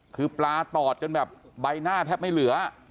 คือปลาตอดจนแบบใบหน้าแทบไม่เหลือ